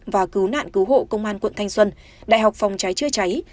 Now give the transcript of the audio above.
và cứu nạn cứu hộ công an quận thanh xuân đại học phòng cháy chữa cháy